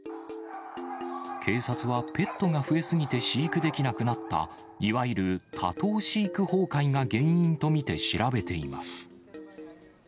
警察は、ペットが増え過ぎて飼育できなくなった、いわゆる多頭飼育崩壊が原因と見て調べています。